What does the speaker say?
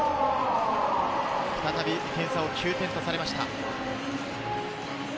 再び点差を９点とされました。